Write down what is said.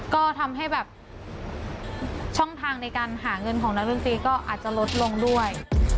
ก็ทำให้แบบช่องทางในการหาเงินของนักดนตรีก็อาจจะลดลงด้วย